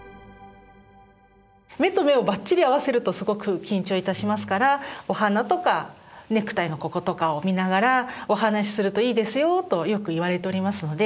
目と目をばっちり合わせるとすごく緊張いたしますからお鼻とかネクタイのこことかを見ながらお話しするといいですよとよく言われておりますので。